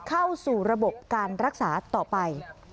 เข้าสู่ระบบการรักษาต่อไป